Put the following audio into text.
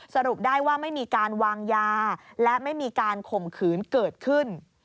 สรุปได้ว่าไม่มีการวางยาและไม่มีการข่มขืนเกิดขึ้น